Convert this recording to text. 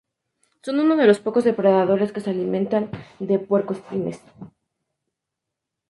Son uno de los pocos depredadores que se alimentan de puercoespines.